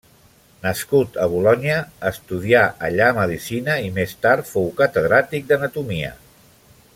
Nascut a Bolonya, estudià allà medicina i més tard fou catedràtic d'anatomia.